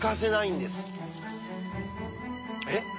えっ？